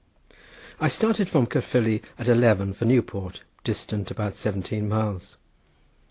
I started from Caerfili at eleven for Newport, distant about seventeen miles.